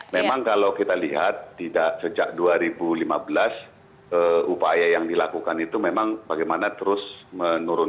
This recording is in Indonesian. memang kalau kita lihat tidak sejak dua ribu lima belas upaya yang dilakukan itu memang bagaimana terus menurun